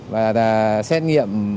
và đã xét nghiệm